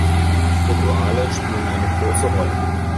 Rituale spielen eine große Rolle.